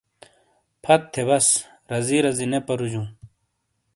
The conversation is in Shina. فَت تھے بَس، رَزی رَزی نے پَرُوجُوں۔